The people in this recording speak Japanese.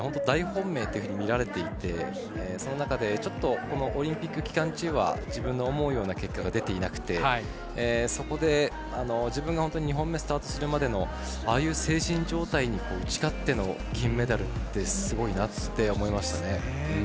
大本命と見られていてその中で、ちょっとこのオリンピック期間中は自分の思うような結果が出ていなくてそこで自分が２本目スタートするまでのああいう精神状態に打ち勝っての金メダルってすごいなって思いましたね。